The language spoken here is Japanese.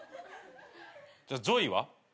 じゃあＪＯＹは？